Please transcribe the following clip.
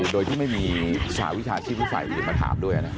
โดยที่ไม่มีสหวิชาชีพฤษัยมาถามด้วย